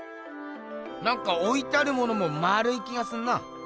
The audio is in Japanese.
なんかおいてあるものもまるい気がすんな。